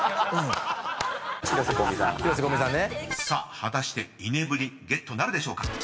［さあ果たして伊根ぶりゲットなるでしょうか？